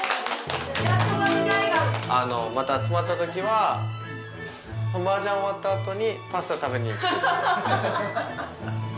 また集まったときはマージャン終わったあとにパスタ食べに。